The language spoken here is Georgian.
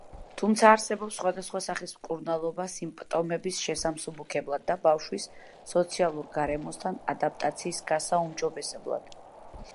თუმცა არსებობს სხვადასხვა სახის მკურნალობა სიმპტომების შესამსუბუქებლად და ბავშვის სოციალურ გარემოსთან ადაპტაციის გასაუმჯობესებლად.